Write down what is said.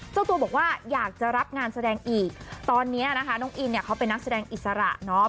เจ้าตัวบอกว่าอยากจะรับงานแสดงอีกตอนนี้นะคะน้องอินเนี่ยเขาเป็นนักแสดงอิสระเนาะ